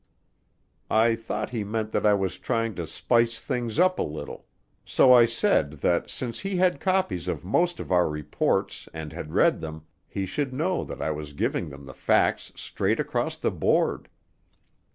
I thought he meant that I was trying to spice things up a little, so I said that since he had copies of most of our reports and had read them, he should know that I was giving them the facts straight across the board.